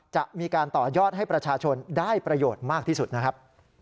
จะมีการต่อยอดให้ประชาชนได้ประโยชน์มากที่สุดนะครับ